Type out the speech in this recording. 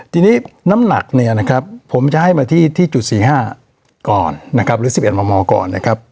ทีนี้น้ำหนักผมจะให้มาที่๔๕ก่อนหรือ๑๑มก่อนนะครับ